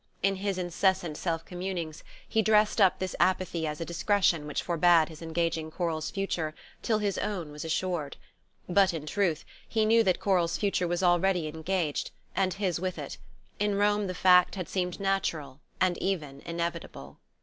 In his incessant self communings he dressed up this apathy as a discretion which forbade his engaging Coral's future till his own was assured. But in truth he knew that Coral's future was already engaged, and his with it: in Rome the fact had seemed natural and even inevitable.